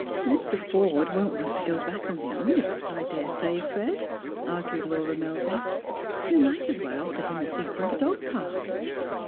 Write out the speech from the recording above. " Mr. Forde won't want to go back on the omnibus, I dare say, Fred," argued Laura Melvin. " You might as well offer him a seat in the dogcart."